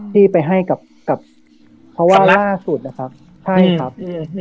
ที่ไปให้กับเขาว่าล่าสุดนะครับใช่ครับ